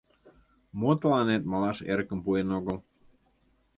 Мо тыланет малаш эрыкым пуэн огыл?